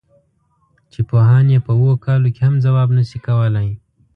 چې پوهان یې په اوو کالو کې هم ځواب نه شي کولای.